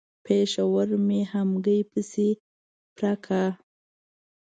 پېښور مې همګي پسې پره کا.